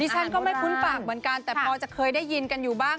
ฉันก็ไม่คุ้นปากเหมือนกันแต่พอจะเคยได้ยินกันอยู่บ้าง